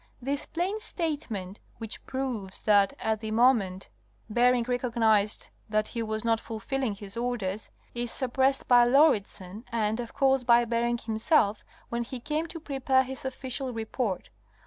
This plain statement, which proves that (at the moment) Bering recognized that he was noi fulfilling his orders, is suppressed by Lauridsen and of course by Bering himself when he came to prepare his official report.